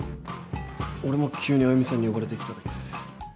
俺も急に歩美さんに呼ばれて来ただけっす。